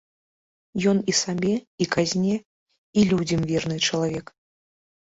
Ён і сабе, і казне, і людзям верны чалавек.